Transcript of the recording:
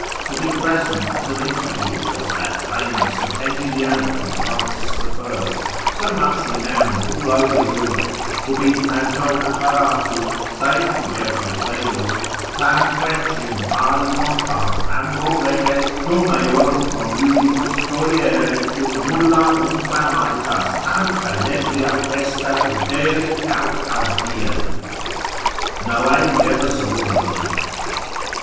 To be present at an interview, as that famous of Henry the Eighth and Francis the First, so much renowned all over Europe; ubi tanto apparatu (saith Hubertus Veillius) tamque triumphali pompa ambo reges com eorum conjugibus coiere, ut nulla unquam aetas tam celebria festa viderit aut audieriti, no age ever saw the like.